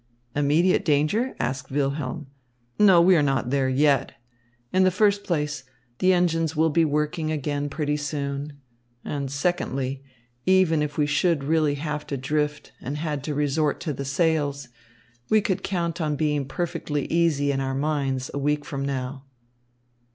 "Immediate danger?" asked Wilhelm. "No, we are not there yet. In the first place, the engines will be working again pretty soon; and secondly, even if we should really have to drift and had to resort to the sails, we could count on being perfectly easy in our minds a week from now."